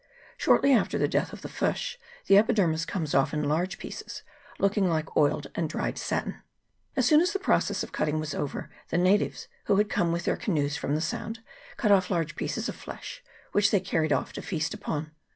Shortly after the death of the fish the epidermis comes off' in large pieces, looking like oiled and dried satin. As soon as the process of cutting was over, the natives, who had come with their canoes from the Sound, cut off large pieces of the flesh, which they carried off to feast upon.